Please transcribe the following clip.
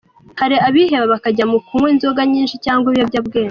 Hali abiheba bakajya mu kunywa inzoga nyinshi cyangwa ibiyobyabwenge.